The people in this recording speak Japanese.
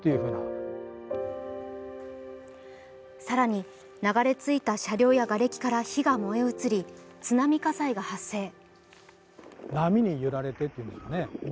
更に、流れ着いた車両やがれきから火が燃え移り、津波火災が発生。